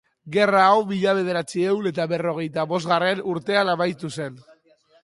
Gerra hau mila bederatziehun eta berrogeita bosgarren urtean amaitu zen.